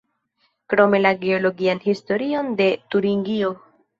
Krome la geologian historion de Turingio.